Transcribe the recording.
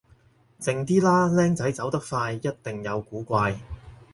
靜啲啦，僆仔走得快一定有古怪